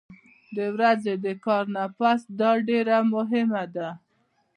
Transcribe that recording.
د ورځې د کار نه پس دا ډېره مهمه ده